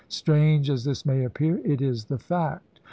Strange as this may appear, it is the fact.